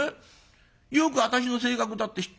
よく私の性格だって知ってるんだよ。